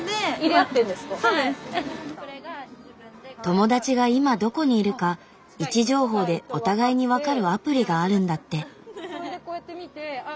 友達が今どこにいるか位置情報でお互いに分かるアプリがあるんだって。